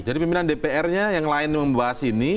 jadi pimpinan dprnya yang lain membahas ini